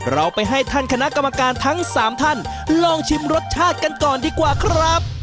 เราไปให้ท่านคณะกรรมการทั้ง๓ท่านลองชิมรสชาติกันก่อนดีกว่าครับ